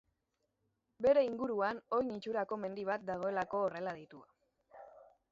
Bere inguruan oin itxurako mendi bat dagoelako horrela deitua.